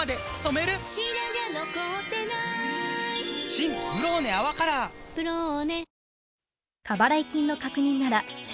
新「ブローネ泡カラー」「ブローネ」